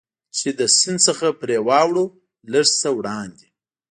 چې له سیند څخه پرې واوړو، لږ څه وړاندې.